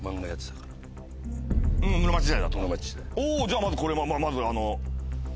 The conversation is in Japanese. じゃあまずこれはまず。